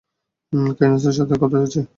কেইডেন্সের সাথে করতে যাচ্ছি।